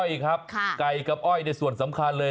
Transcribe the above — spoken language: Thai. อีกครับไก่กับอ้อยในส่วนสำคัญเลย